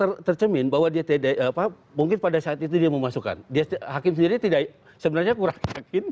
tercermin bahwa dia tidak mungkin pada saat itu dia memasukkan dia hakim sendiri tidak sebenarnya kurang yakin